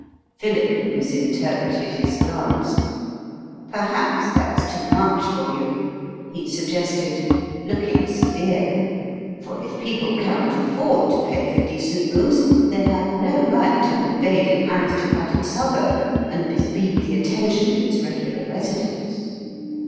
Philip misinterpreted his glance. "Perhaps that's too much for you," he suggested, looking severe; for if people cannot afford to pay for decent rooms, they have no right to invade an aristocratic suburb, and bespeak the attention of its regular residents.